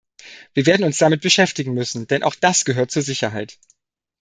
Wir werden uns damit beschäftigen müssen, denn auch das gehört zur Sicherheit.